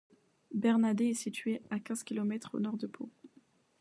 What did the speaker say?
Bernadets est située à quinze kilomètres au nord de Pau.